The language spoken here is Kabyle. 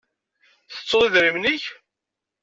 Tettuḍ idrimen-ik?